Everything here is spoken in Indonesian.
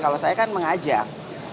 kalau saya kan mengajak